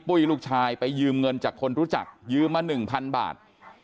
ปุ้ยลูกชายไปยืมเงินจากคนรู้จักยืมมา๑๐๐บาท